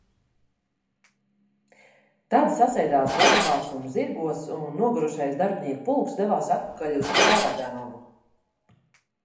Tad sasēdās ragavās un zirgos un nogurušais darbinieku pulks devās atpakaļ uz Taradanovu.